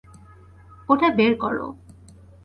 ওটা বের করো।